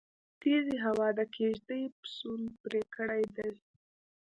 تيزې هوا د کيږدۍ پسول پرې کړی دی